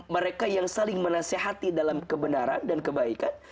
mereka yang saling menasehati dalam kebenaran dan kebaikan